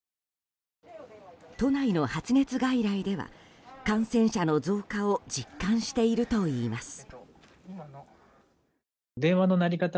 都内の発熱外来では感染者の増加を実感しているといいます。